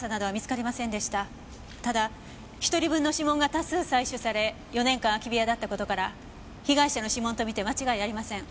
ただ１人分の指紋が多数採取され４年間空き部屋だった事から被害者の指紋とみて間違いありません。